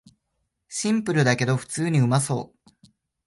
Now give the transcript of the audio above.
シンプルだけど普通にうまそう